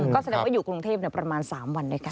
ก็แสดงว่าอยู่กรุงเทพประมาณ๓วันด้วยกัน